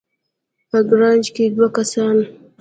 په ګراج کې دوه کسان